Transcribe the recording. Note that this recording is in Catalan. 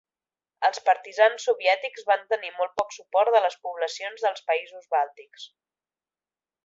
Els partisans soviètics van tenir molt poc suport de les poblacions dels països bàltics.